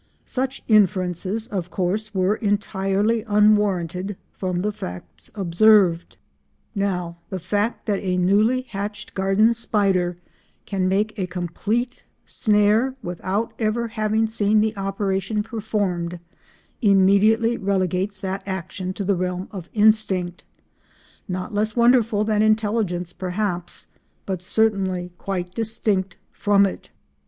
Such inferences, of course, were entirely unwarranted from the facts observed. Now the fact that a newly hatched garden spider can make a complete snare without ever having seen the operation performed immediately relegates that action to the realm of instinct,—not less wonderful than intelligence perhaps, but certainly quite distinct from it.